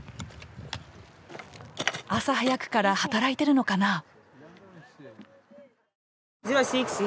朝早くから働いてるのかな？